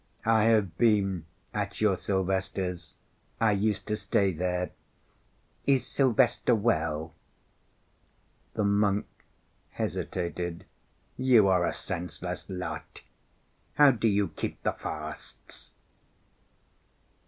"I have been at your Sylvester's. I used to stay there. Is Sylvester well?" The monk hesitated. "You are a senseless lot! How do you keep the fasts?"